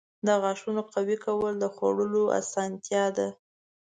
• د غاښونو قوي کول د خوړلو اسانتیا ده.